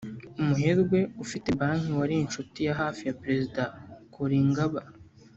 umuherwe ufite banki wari inshuti ya hafi ya Perezida Kolingba